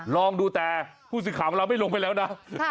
ลองดูแต่ผู้สีขาวเราไม่ลงไปแล้วนะ